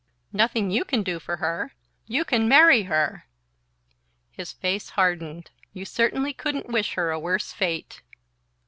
"Nothing you can do for her? You can marry her!" His face hardened. "You certainly couldn't wish her a worse fate!"